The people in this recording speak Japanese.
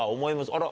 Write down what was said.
あら？